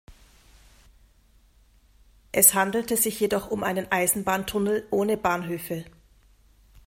Es handelte sich jedoch um einen Eisenbahntunnel ohne Bahnhöfe.